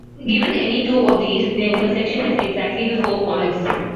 Given any two of these, their intersection has exactly the four points.